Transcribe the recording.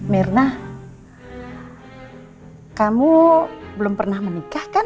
mirna kamu belum pernah menikah kan